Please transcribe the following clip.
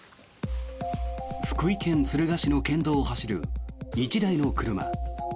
福井県敦賀市の県道を走る１台の車。